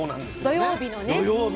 土曜日の。